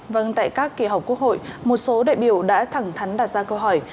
vâng tại các kỳ họp quốc hội một số đại biểu đã thẳng thắn đặt ra câu hỏi